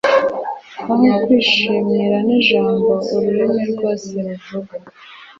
aho kwishimira ni ijambo ururimi rwose ruvuga